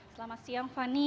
selamat siang fani